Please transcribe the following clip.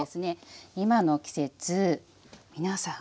今の季節皆さん